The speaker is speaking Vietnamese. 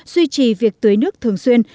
duy trì việc tưới nước thường xuyên